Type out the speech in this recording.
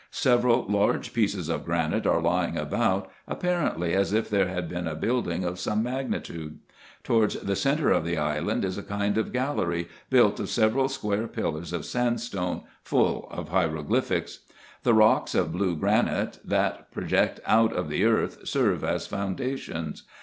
Several large pieces of granite are lying about, apparently as if there had been a building of some magnitude. Towards the centre of the island is a kind of gallery, built of several square pillars of sandstone, full of hieroglyphics. The rocks of blue granite, that project out of the earth, serve as foundations.